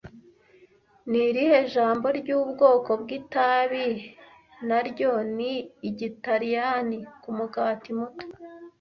Ni irihe jambo ryubwoko bw'itabi naryo ni Igitaliyani kumugati muto